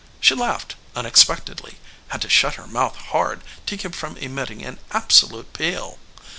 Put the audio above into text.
She laughed unexpectedly had to shut her mouth hard to keep from emitting an absolute peal.